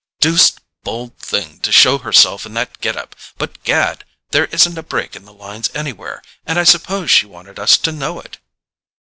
"Deuced bold thing to show herself in that get up; but, gad, there isn't a break in the lines anywhere, and I suppose she wanted us to know it!"